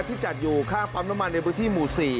ที่จัดอยู่ข้างปั๊มน้ำมันในพื้นที่หมู่๔